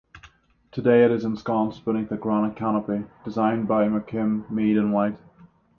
Today it is ensconced beneath a granite canopy designed by McKim, Mead and White.